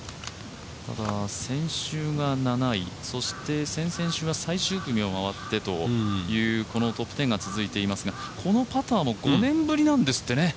ただ、先週が７位、先々週が最終組を回ってというトップ１０が続いていますがこのパターも５年ぶりだそうですね。